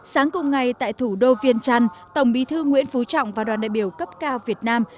sáng cùng ngày tại thủ đô viên trăn tổng bí thư nguyễn phú trọng và đoàn đại biểu cấp cao việt nam